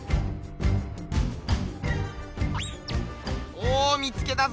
おお見つけたぞ！